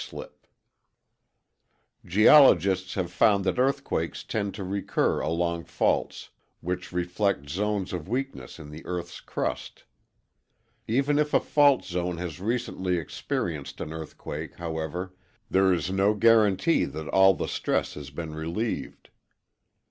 Blocks slide past each other_] Geologists have found that earthquakes tend to reoccur along faults, which reflect zones of weakness in the EarthŌĆÖs crust. Even if a fault zone has recently experienced an earthquake, however, there is no guarantee that all the stress has been relieved.